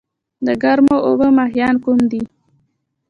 د ګرمو اوبو ماهیان کوم دي؟